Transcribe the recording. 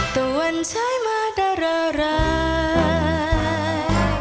ตะวันใช้มาด้าระลาย